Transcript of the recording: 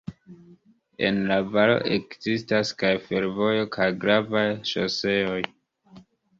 En la valo ekzistas kaj fervojo kaj gravaj ŝoseoj.